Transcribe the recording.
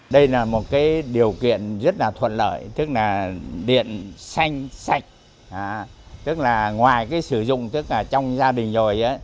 đây là một điều kiện rất thuận lợi tức là điện xanh sạch tức là ngoài sử dụng trong gia đình rồi